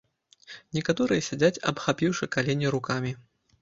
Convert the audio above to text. Некаторыя сядзяць, абхапіўшы калені рукамі.